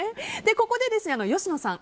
ここで、吉野さん